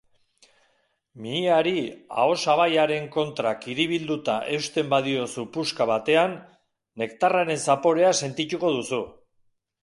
Mihiari aho-sabaiaren kontra kiribilduta eusten badiozu puska batean, nektarraren zaporea sentituko duzu.